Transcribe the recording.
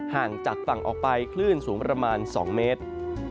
ห่างจากฝั่งออกไปคลื่นสูงประมาณ๒เมตร